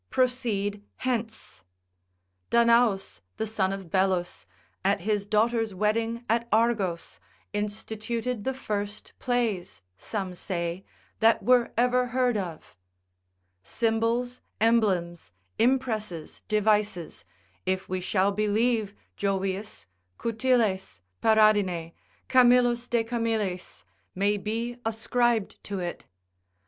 proceed hence. Danaus, the son of Belus, at his daughter's wedding at Argos, instituted the first plays (some say) that ever were heard of symbols, emblems, impresses, devices, if we shall believe Jovius, Coutiles, Paradine, Camillus de Camillis, may be ascribed to it.